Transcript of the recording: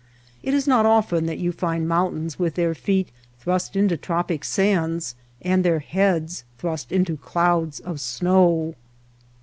It is not often that you find moun tains with their feet thrust into tropic sands and their heads thrust into clouds of snow.